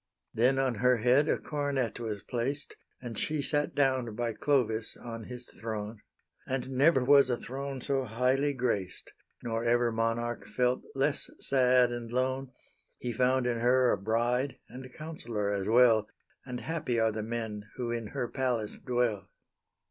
Then on her head a coronet was placed, And she sat down by Clovis on his throne; And never was a throne so highly graced, Nor ever monarch felt less sad and lone; He found in her a bride, and counsellor, as well, And happy are the men who in her palace dwell.